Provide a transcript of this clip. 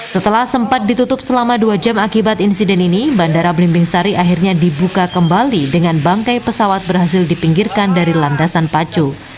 setelah sempat ditutup selama dua jam akibat insiden ini bandara belimbing sari akhirnya dibuka kembali dengan bangkai pesawat berhasil dipinggirkan dari landasan pacu